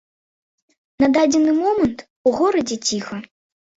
На дадзены момант у горадзе ціха.